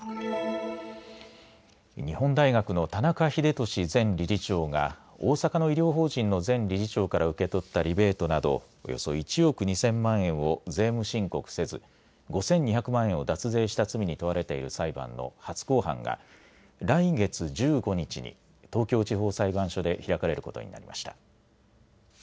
日本大学の田中英壽前理事長が大阪の医療法人の前理事長から受け取ったリベートなどおよそ１億２０００万円を税務申告せず５２００万円を脱税した罪に問われている裁判の初公判が来月１５日に東京地方裁判所で開かれることになりました。